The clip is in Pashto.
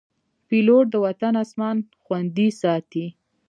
پیلوټ د وطن اسمان خوندي ساتي.